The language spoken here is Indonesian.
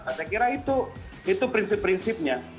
saya kira itu prinsip prinsipnya